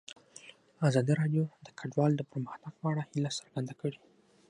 ازادي راډیو د کډوال د پرمختګ په اړه هیله څرګنده کړې.